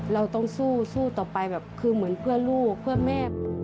เราต้องสู้สู้ต่อไปแบบคือเหมือนเพื่อลูกเพื่อแม่